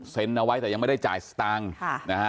เซ็นต์เอาไว้แต่ยังไม่ได้จ่ายตังค์